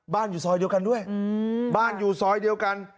อยู่ซอยเดียวกันด้วยบ้านอยู่ซอยเดียวกัน